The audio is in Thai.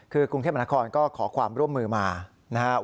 คือกรุงเทพมนาคอนก็ขอความร่วมมือมานะครับ